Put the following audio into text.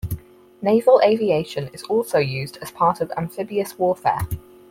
Naval aviation is also used as part of amphibious warfare.